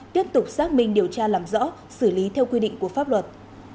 tiếp tục xác minh điều tra làm rõ xử lý theo quy định của pháp luật